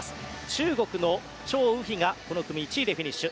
中国のチョウ・ウヒがこの組１位でフィニッシュ。